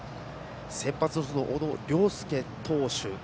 先発投手の小野涼介投手